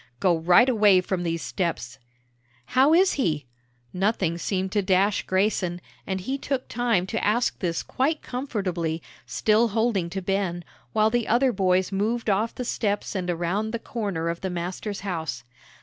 "Go right away from these steps!" "How is he?" Nothing seemed to dash Grayson, and he took time to ask this quite comfortably, still holding to Ben, while the other boys moved off the steps and around the corner of the master's house.